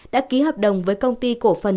đã ký hợp đồng với công ty cổ phần